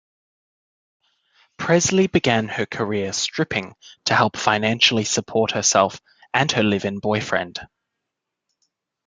Presley began her career stripping to help financially support herself and her live-in boyfriend.